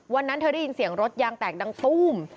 วันนั้นเธอได้ยินเสียงรถยางแตกดังตู้ม